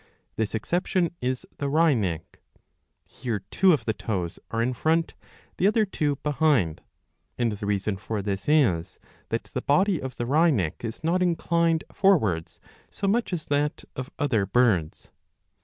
This exception is the wryneck.^ Here two of the toes are in front, the other two behind ; and the reason for this is that the body of the wryneck is not inclined forwards so much as that of other birds.